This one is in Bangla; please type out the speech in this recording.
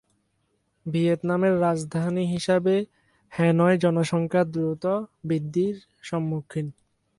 ভিয়েতনামের রাজধানী হিসাবে, হ্যানয় জনসংখ্যার দ্রুত বৃদ্ধির সম্মুখীন।